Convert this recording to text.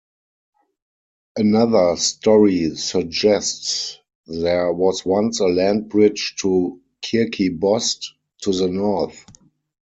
Another story suggests there was once a land bridge to Kirkibost, to the north.